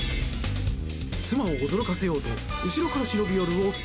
妻を驚かせようと後ろから忍び寄る夫。